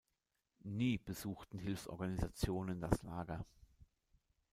Nie besuchten Hilfsorganisationen das Lager.